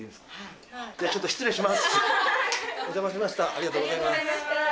ありがとうございます。